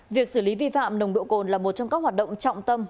việc xử lý vi phạm nồng độ cồn là một trong các hoạt động trọng tâm